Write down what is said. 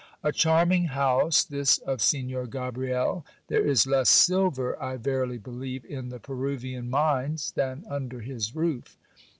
A charming house this of Signor Gabriel ! There is less silver, I verily believe, in the Peruvian mines, than under his roof.